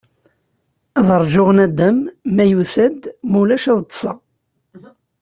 Ad rjuɣ nadam, ma yusa-d, ma ulac ad ṭṭseɣ.